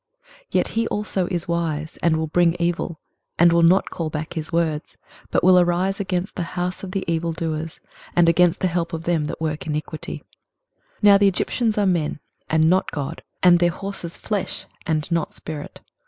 23:031:002 Yet he also is wise, and will bring evil, and will not call back his words: but will arise against the house of the evildoers, and against the help of them that work iniquity. 23:031:003 Now the Egyptians are men, and not God; and their horses flesh, and not spirit.